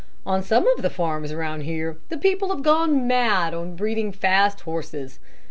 On some of the farms around here, the people have gone mad on breeding fast horses.